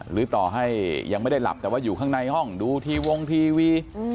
หรือต่อให้ยังไม่ได้หลับแต่ว่าอยู่ข้างในห้องดูทีวงทีวี